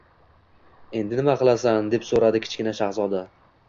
— Endi nima qilasan? — deb so‘radi Kichkina shahzoda.